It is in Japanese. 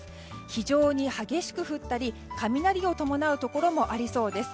非常に激しく降ったり雷を伴うところもありそうです。